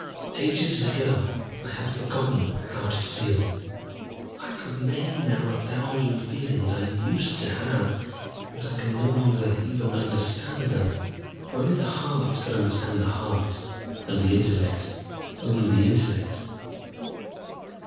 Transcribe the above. Ages ago I have forgotten how to feel. I could name now a thousand feelings I used to have, but I can no longer even understand them. For only the heart can understand the heart, and the intellect only the intellect.